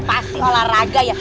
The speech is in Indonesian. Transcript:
pasti olahraga ya